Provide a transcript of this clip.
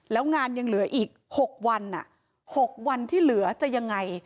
แล้วงานยังเหลืออีก๖วัน๖วันที่เหลือจะยังไง